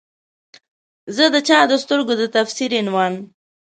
زه د چا د سترګو د تفسیر عنوان